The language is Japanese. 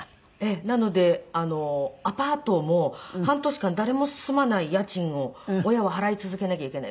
なのでアパートも半年間誰も住まない家賃を親は払い続けなきゃいけない。